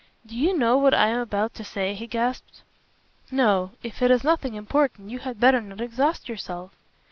"Do you know what I am about to say?" he gasped. "No. If it is nothing important you had better not exhaust yourself."